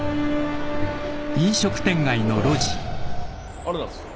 ありがとうございます。